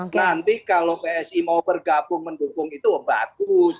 nanti kalau psi mau bergabung mendukung itu bagus